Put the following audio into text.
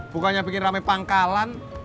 bukannya bikin rame pangkalan